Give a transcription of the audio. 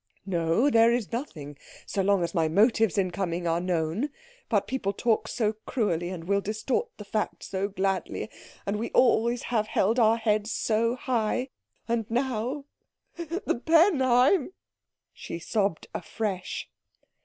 "No, there is nothing, so long as my motives in coming are known. But people talk so cruelly, and will distort the facts so gladly, and we have always held our heads so high. And now the Penheim!" She sobbed afresh.